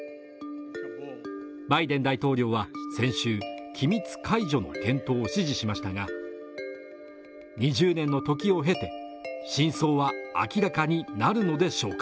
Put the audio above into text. バイデン大統領は先週、機密解除の検討を指示しましたが２０年の時を経て真相は明らかになるのでしょうか